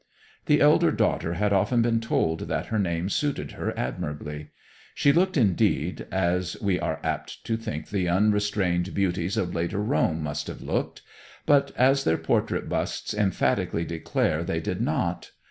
The elder daughter had often been told that her name suited her admirably. She looked, indeed, as we are apt to think the unrestrained beauties of later Rome must have looked, but as their portrait busts emphatically declare they did not.